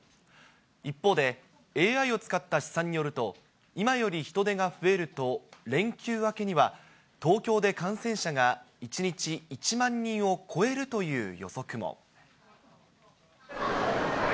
一方で、ＡＩを使った試算によると、今より人出が増えると、連休明けには東京で感染者が１日１万人を超えるという予測も。